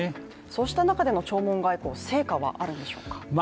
そうした中での弔問外交成果はあるんでしょうか。